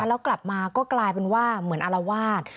แล้วกลับมาก็กลายเป็นว่าเหมือนอารวาส